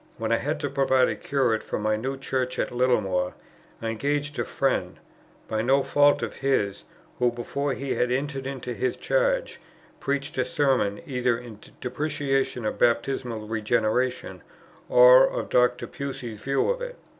When I had to provide a curate for my new church at Littlemore, I engaged a friend, by no fault of his, who, before he had entered into his charge, preached a sermon, either in depreciation of baptismal regeneration, or of Dr. Pusey's view of it.